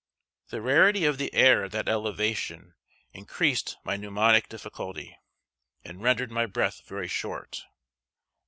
The rarity of the air at that elevation increased my pneumonic difficulty, and rendered my breath very short.